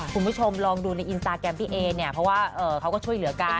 คุณผู้ชมลองดูในอินสตาแกรมพี่เอเนี่ยเพราะว่าเขาก็ช่วยเหลือกัน